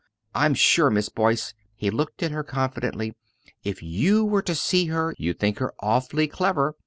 I'm sure, Miss Boyce" he looked at her confidently, "if you were to see her you'd think her awfully clever.